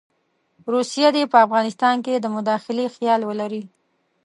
روسیه دې په افغانستان کې د مداخلې خیال ولري.